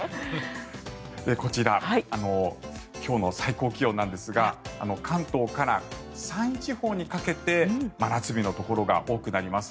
こちら今日の最高気温ですが関東から山陰地方にかけて真夏日のところが多くなります。